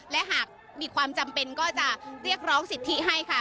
และหากมีความจำเป็นก็จะเรียกร้องสิทธิให้ค่ะ